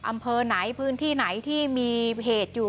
อำเภอไหนพื้นที่ไหนที่มีเหตุอยู่